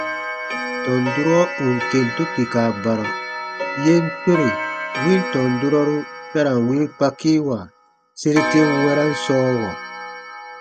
Tɔn durɔ ù n kentu kpika barɔ, yen tore win tɔn durɔru ta ra n wii kpakiiwa sere ten wɛ̃ran sɔɔwɔ.